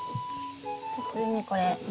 普通にこれ。